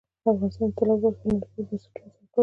افغانستان د طلا په برخه کې نړیوالو بنسټونو سره کار کوي.